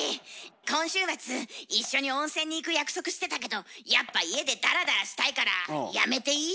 今週末一緒に温泉に行く約束してたけどやっぱ家でダラダラしたいからやめていい？